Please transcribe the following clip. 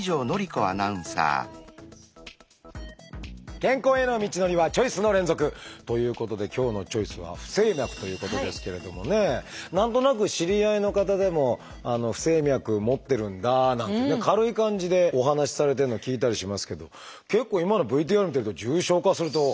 健康への道のりはチョイスの連続！ということで今日の「チョイス」は何となく知り合いの方でも「不整脈持ってるんだ」なんてね軽い感じでお話しされてるのを聞いたりしますけど結構今のＶＴＲ見てると重症化すると怖いですよね。